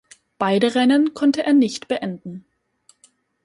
Beide Rennen konnte er nicht beenden.